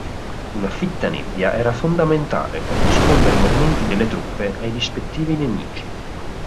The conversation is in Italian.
Una fitta nebbia era fondamentale per nascondere i movimenti delle truppe ai rispettivi nemici.